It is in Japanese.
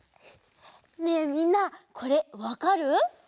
ねえみんなこれわかる？